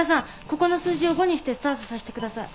ここの数字を５にしてスタートさせてください。